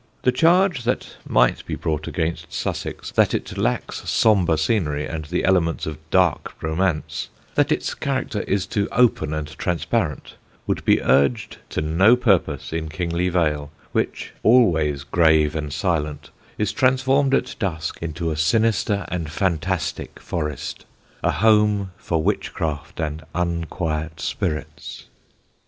The charge that might be brought against Sussex, that it lacks sombre scenery and the elements of dark romance, that its character is too open and transparent, would be urged to no purpose in Kingly Vale, which, always grave and silent, is transformed at dusk into a sinister and fantastic forest, a home for witchcraft and unquiet spirits.